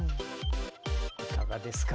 いかがですか？